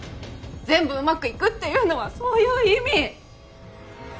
「全部うまくいく」っていうのはそういう意味！